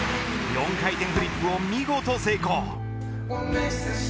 ４回転フリップを見事成功。